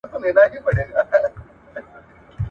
چی دي بند نه سي په ستوني یا په خوله کی ,